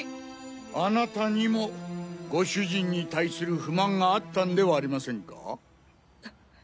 あなたにもご主人に対する不満があったんではありませんか？